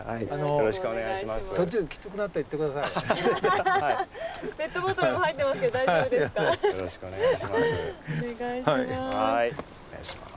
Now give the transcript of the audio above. よろしくお願いします。